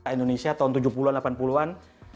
indonesia tahun tujuh puluh an delapan puluh an